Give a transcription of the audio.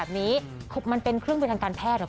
ถ้ามินมีโอกาสนะคะแล้วมินสามารถทำได้